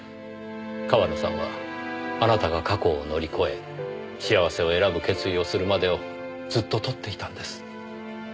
川野さんはあなたが過去を乗り越え幸せを選ぶ決意をするまでをずっと撮っていたんです。